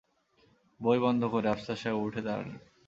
বই বন্ধ করে আফসার সাহেব উঠে দাঁড়ালেন।